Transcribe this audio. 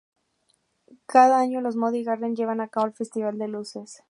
Cada año los "Moody Gardens" llevan a cabo el festival de luces.